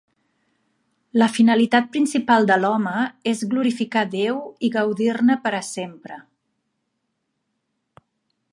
La finalitat principal de l'home és glorificar Déu i gaudir-ne per a sempre.